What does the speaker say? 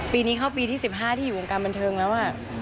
ปีนี้เข้าปีที่๑๕ที่อยู่วงการบันเทิงแล้ว